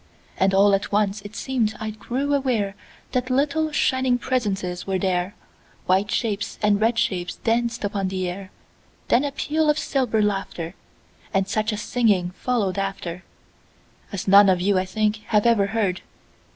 And all at once it seem'd I grew awareThat little, shining presences were there,—White shapes and red shapes danced upon the air; Then a peal of silver laughter, And such singing followed afterAs none of you, I think, have ever heard.